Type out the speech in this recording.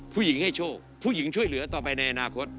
ให้โชคผู้หญิงช่วยเหลือต่อไปในอนาคต